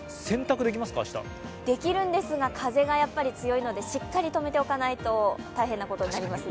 できるんですが風が強いのでしっかり止めておかないと大変なことになりますね。